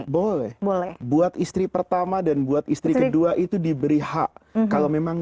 boleh boleh buat istri pertama dan buat istri kedua itu diberi hak kalau memang